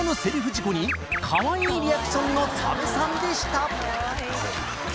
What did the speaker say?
事故にかわいいリアクションの多部さんでした